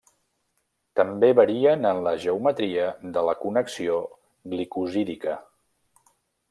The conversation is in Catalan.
També varien en la geometria de la connexió glicosídica.